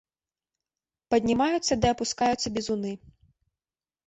Паднімаюцца ды апускаюцца бізуны.